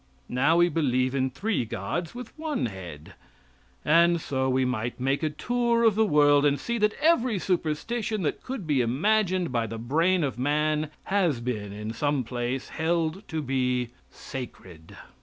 Now we believe in three gods with one head. And so we might make a tour of the world and see that every superstition that could be imagined by the brain of man has been in some place held to be sacred.